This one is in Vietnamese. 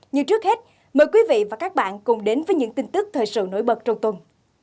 như trước hết mời quý vị và các bạn cùng đến với những tin tức thời sự nổi bật trong tuần